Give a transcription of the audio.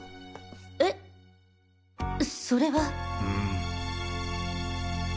えっ？それは。